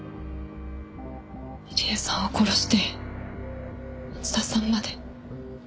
入江さんを殺して松田さんまで。